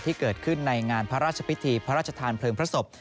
ที่เกิดขึ้นในงานพระราชพิธีพระราชทานเพลิงพระศพ